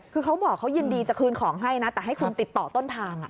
คือเขาบอกเขายินดีจะคืนของให้นะแต่ให้คุณติดต่อต้นทาง